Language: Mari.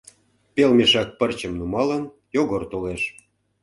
Пел мешак пырчым нумалын, Йогор толеш.